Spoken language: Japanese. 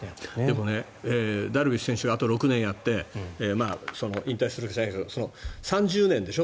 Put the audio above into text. でも、ダルビッシュ選手があと６年やって引退するかわからないけど３０年でしょ。